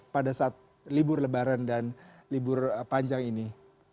pada saat libur lebaran dan libur panjang ini